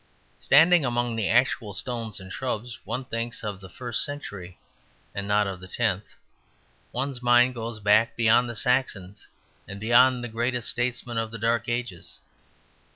Standing among the actual stones and shrubs one thinks of the first century and not of the tenth; one's mind goes back beyond the Saxons and beyond the greatest statesman of the Dark Ages.